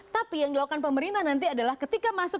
tapi yang dilakukan pemerintah nanti adalah ketika masuk